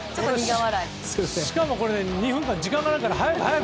しかも、２分間時間があるから早く早く！